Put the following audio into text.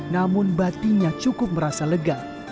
namun batinya cukup merasa lega